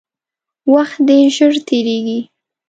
وخت ډیر ژر تیریږي